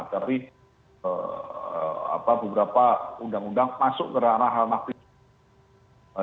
tapi beberapa undang undang masuk ke arah hal maksimal